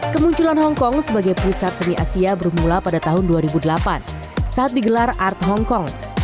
kemunculan hong kong sebagai pusat seni asia bermula pada tahun dua ribu delapan saat digelar art hong kong